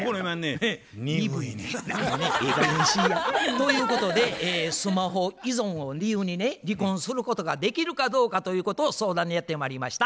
ということでスマホ依存を理由にね離婚することができるかどうかということを相談にやってまいりました。